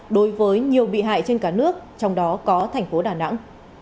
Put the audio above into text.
đối với nhiều bị hại trên cả nước trong đó có thành phố đà nẵng